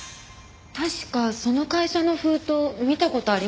確かその会社の封筒見た事あります。